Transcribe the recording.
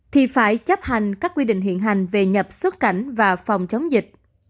thì phải chấp hành các quy định hiện hành về nhập xuất cảnh và phòng chống dịch